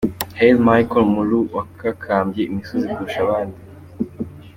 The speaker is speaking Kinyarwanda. HaileMichael Mulu wakakambye imisozi kurusha abandi.